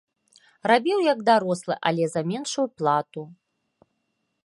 Рабіў як дарослы, але за меншую плату.